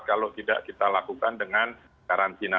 kalau tidak kita lakukan dengan karantina